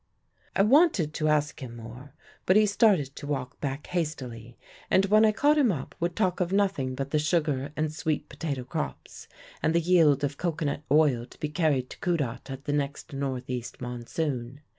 "I wanted to ask him more, but he started to walk back hastily, and when I caught him up would talk of nothing but the sugar and sweet potato crops, and the yield of cocoanut oil to be carried to Kudat at the next north east monsoon.